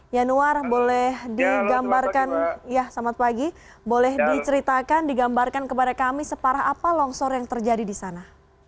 yanuar boleh digambarkan kepada kami separah apa longsor yang terjadi di sana